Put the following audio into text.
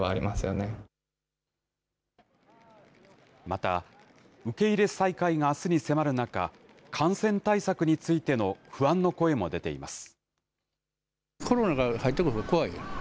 また、受け入れ再開があすに迫る中、感染対策についての不安の声も出ています。